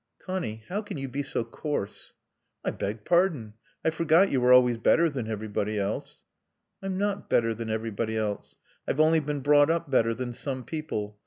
"Connie, how can you be so coarse?" "I beg pardon. I forgot you were always better than everybody else." "I'm not better than everybody else. I've only been brought up better than some people.